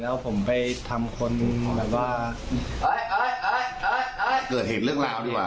แล้วผมไปทำคนแบบว่าเกิดเหตุเรื่องราวดีกว่า